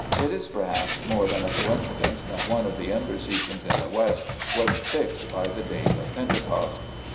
It is perhaps more than a coincidence that one of the Ember seasons in the West was fixed by the date of Pentecost.